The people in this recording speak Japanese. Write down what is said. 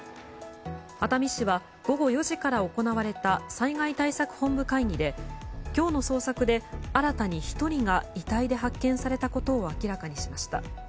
熱海市は、午後４時から行われた災害対策本部会議で今日の捜索で新たに１人が遺体で発見されたことを明らかにしました。